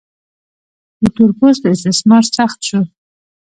د تور پوستو استثمار سخت شو.